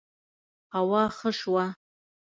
هوا ښه شوه